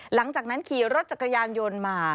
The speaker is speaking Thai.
หลังจากนั้นขี่รถจักรยานยนต์มา